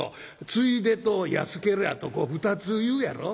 『ついで』と『安けりゃ』と２つ言うやろ。